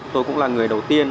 tôi cũng là người đầu tiên